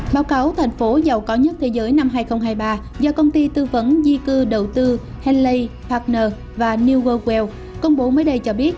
báo cáo thành phố giàu có nhất thế giới năm hai nghìn hai mươi ba do công ty tư vấn di cư đầu tư henley partners và new world wealth công bố mới đây cho biết